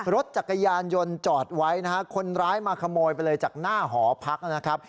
รถจักรยานยนต์จอดไว้นะฮะคนร้ายมาขโมยไปเลยจากหน้าหอพักนะครับ